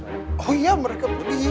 oh iya mereka beli